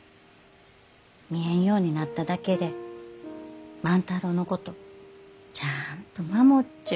見えんようになっただけで万太郎のことちゃあんと守っちゅう。